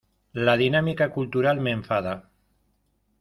La dinámica cultural me enfada.